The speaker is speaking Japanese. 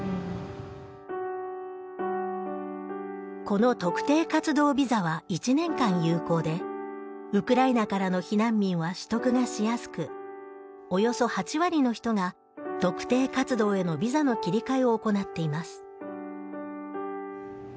この特定活動ビザは１年間有効でウクライナからの避難民は取得がしやすくおよそ８割の人が特定活動へのビザの切り替えを行っています。